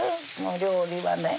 料理はね